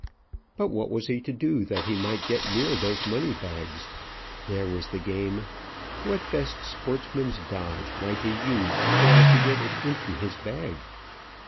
But what was he to do that he might get near those money bags? There was the game. What best sportsman's dodge might he use so as to get it into his bag?